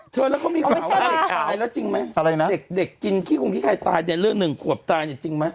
เธอแล้วเขามีคำว่าเด็กหายแล้วจริงไหมเด็กกินขี้กุ่มขี้ไข่ตายในเรื่องหนึ่งขวบตายจริงไหม